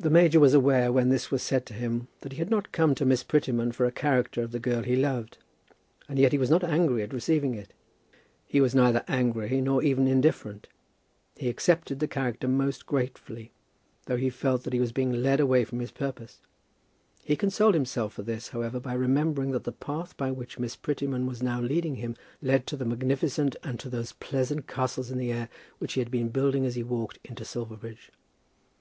The major was aware when this was said to him that he had not come to Miss Prettyman for a character of the girl he loved; and yet he was not angry at receiving it. He was neither angry, nor even indifferent. He accepted the character almost gratefully, though he felt that he was being led away from his purpose. He consoled himself for this, however, by remembering that the path by which Miss Prettyman was now leading him, led to the magnificent, and to those pleasant castles in the air which he had been building as he walked into Silverbridge.